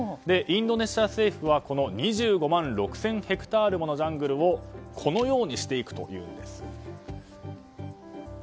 インドネシア政府は２５万６０００ヘクタールものジャングルをこのようにしていくというんです。